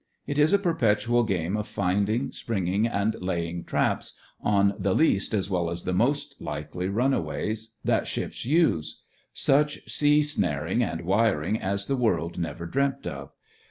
It is a perpetual game of finding, springing, and laying traps on the least as well as the most likely runaways that ships use — such sea snaring and wiring as the world never dreamt of.